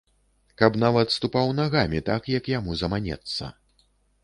Каб нават ступаў нагамі так, як яму заманецца.